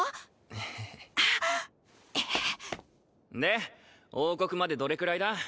エヘヘで王国までどれくらいだ？